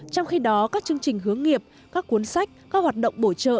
trong khi đó các chương trình hướng nghiệp các cuốn sách các hoạt động bổ trợ